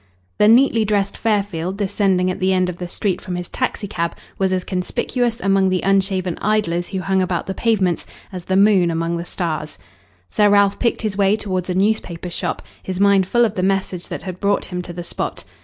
The neatly dressed Fairfield descending at the end of the street from his taxicab was as conspicuous among the unshaven idlers who hung about the pavements as the moon among the stars. Sir Ralph picked his way towards a newspaper shop, his mind full of the message that had brought him to the spot.